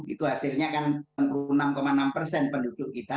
itu hasilnya kan enam puluh enam enam persen penduduk kita